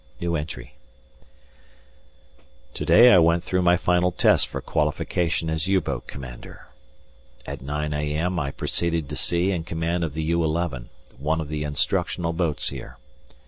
To day I went through my final test for qualification as U boat commander. At 9 a.m. I proceeded to sea in command of the U.11, one of the instructional boats here.